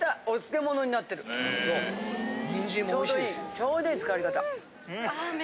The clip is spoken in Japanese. ちょうどいい漬かり方。